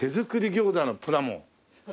餃子のプラモ」